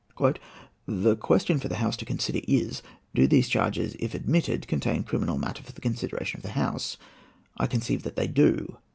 "The question for the House to consider is, 'Do these charges, if admitted, contain criminal matter for the consideration of the House?' I conceive that they do.